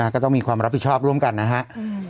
ก็ต้องมีความรับผิดชอบร่วมกันนะครับ